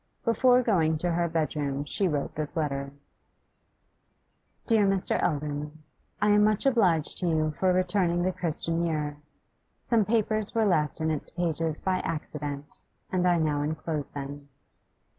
Before going to her bedroom she wrote this letter: 'DEAR MR. ELDON, I am much obliged to you for returning the "Christian Year." Some papers were left in its pages by accident, and I now enclose them.